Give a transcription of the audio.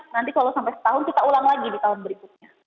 nanti kalau sampai setahun kita ulang lagi di tahun berikutnya